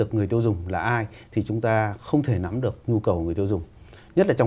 nếu mà chúng ta không nắm được nhu cầu người dùng